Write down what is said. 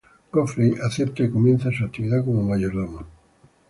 Godfrey acepta y comienza su actividad como mayordomo.